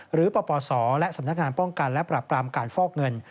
ปปศและสำนักงานป้องกันและปรับปรามการฟอกเงิน